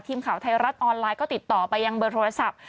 ทีมข่าวไทยรัฐออนไลน์ก็ติดต่อไปยังเบอร์โทรศัพท์